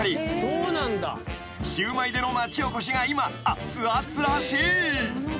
［シウマイでの町おこしが今あつあつらしい］